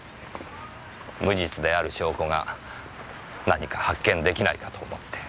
無実である証拠が何か発見できないかと思って。